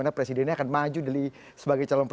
terima kasih bang tony